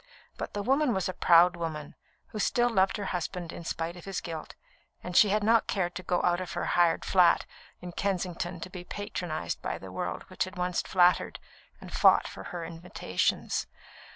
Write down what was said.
But the woman was a proud woman, who still loved her husband in spite of his guilt, and she had not cared to go out of her hired flat in Kensington to be patronised by the world which had once flattered and fought for her invitations.